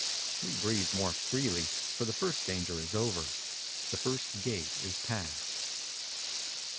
We breathe more freely, for the first danger is over. The first gate is passed.